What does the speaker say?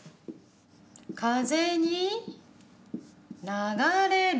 「風」に「流」れる。